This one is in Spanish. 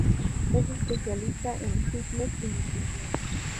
Es especialista en fitness y nutrición.